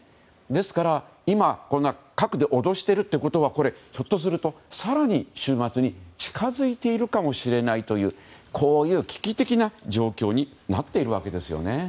ですから今核で脅しているということはひょっとすると更に終末に近づいているかもしれないというこういう危機的な状況になっているわけですよね。